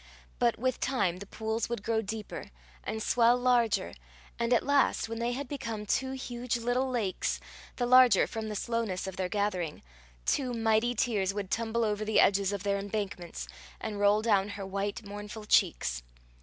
But with time the pools would grow deeper, and swell larger, and at last, when they had become two huge little lakes, the larger from the slowness of their gathering, two mighty tears would tumble over the edges of their embankments, and roll down her white mournful cheeks.